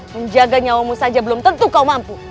menjaga nyawamu saja belum tentu kau mampu